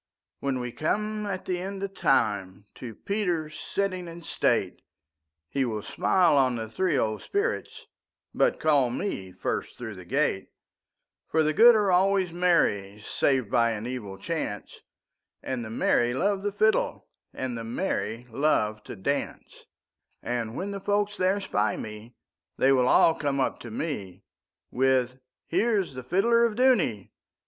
When we come at the end of time, To Peter sitting in state, He will smile on the three old spirits, But call me first through the gate; For the good are always the merry, Save by an evil chance, And the merry love the fiddleAnd the merry love to dance:And when the folk there spy me, They will all come up to me, With 'Here is the fiddler of Dooney!